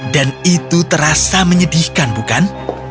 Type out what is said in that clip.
dan itu terasa menyedihkan bukan